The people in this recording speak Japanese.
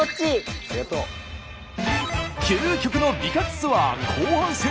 究極の美活ツアー後半戦。